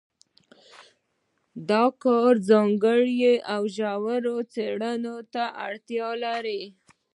دا کار ځانګړې او ژورې څېړنې ته اړتیا لري.